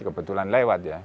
kebetulan lewat ya